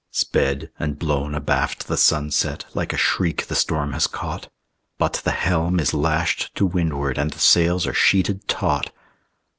Sped and blown abaft the sunset Like a shriek the storm has caught; But the helm is lashed to windward, And the sails are sheeted taut.